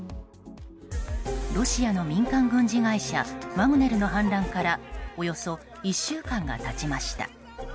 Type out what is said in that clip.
ロシアの民間軍事会社ワグネルの反乱からおよそ１週間が経ちました。